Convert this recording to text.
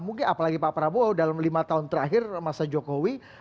mungkin apalagi pak prabowo dalam lima tahun terakhir masa jokowi